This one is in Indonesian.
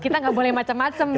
kita nggak boleh macem macem nih